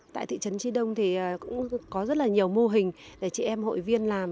tại thị trấn tri đông thì cũng có rất là nhiều mô hình để chị em hội viên làm